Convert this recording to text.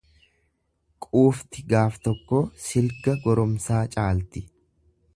Quufti gaaf tokkoo silga goromsaa caalti.